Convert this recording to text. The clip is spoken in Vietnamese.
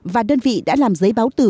và đơn vị đã làm giấy báo tử